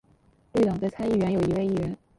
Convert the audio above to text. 绿党在参议院有一位议员。